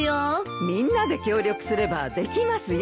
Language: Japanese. みんなで協力すればできますよ。